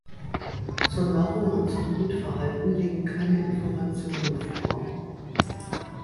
Zur Nahrung und zum Brutverhalten liegen keine Informationen vor.